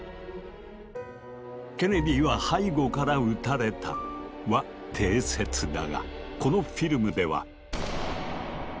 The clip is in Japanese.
「ケネディは背後から撃たれた」は定説だがこのフィルムでは。